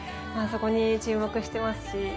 そこに注目してますし。